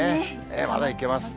まだいけます。